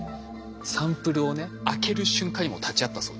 サンプルをね開ける瞬間にも立ち会ったそうですよ。